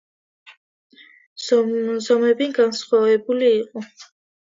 ზომები განსხვავებული იყო.